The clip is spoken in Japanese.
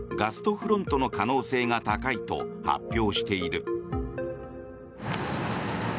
フロントの可能性が高いと発表している。